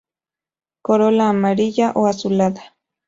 Corola amarilla o azulada.